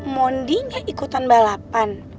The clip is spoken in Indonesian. mondi gak ikutan balapan